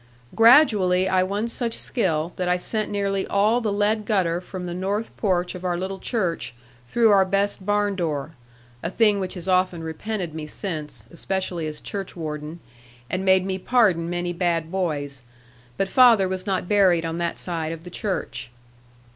Gradually I won such skill, that I sent nearly all the lead gutter from the north porch of our little church through our best barn door, a thing which has often repented me since, especially as churchwarden, and made me pardon many bad boys; but father was not buried on that side of the church.